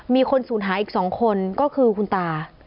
มีคนสูญหายอีก๒คนก็คือคุณตา